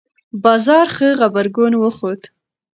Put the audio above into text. بازار ښه غبرګون وښود.